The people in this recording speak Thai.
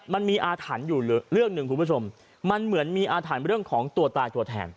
มันมีอาถรรพ์อยู่เรื่องหนึ่งคุณผู้ชมมันเหมือนมีอาถรรพ์เรื่องของตัวตายตัวแทน